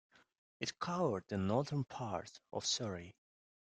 It covered the northern part of Surrey.